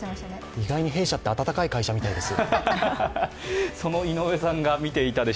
意外に弊社、温かい会社みたいです。